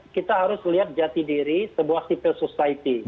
jadi kita harus mencari jati diri sebuah civil society